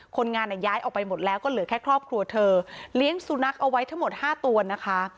คนงานย้ายออกไปหมดแล้วก็เหลือแค่ครอบครัวเธอเลี้ยงสุนัขเอาไว้ทั้งหมด๕ตัวนะคะ